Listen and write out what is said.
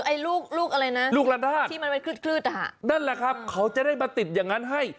หรือลูกละดาดที่มันคลืดนั่นแหละครับเขาจะได้มาติดอย่างนั้นให้